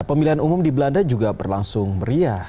pemilihan umum di belanda juga berlangsung meriah